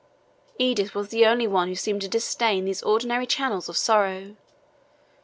Edith was the only one who seemed to disdain these ordinary channels of sorrow.